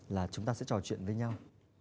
là chúng ta sẽ trò chuyện với nhau